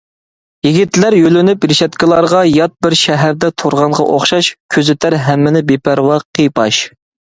يىگىتلەر يۆلىنىپ رېشاتكىلارغا يات بىر شەھەردە تۇرغانغا ئوخشاش، كۆزىتەر ھەممىنى بىپەرۋا، قىيپاش.